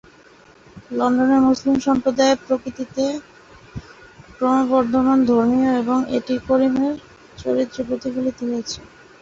লন্ডনের মুসলিম সম্প্রদায় প্রকৃতিতে ক্রমবর্ধমান ধর্মীয় এবং এটি করিমের চরিত্রে প্রতিফলিত হয়েছে।